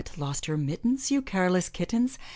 lost your mittens. You careless kittens.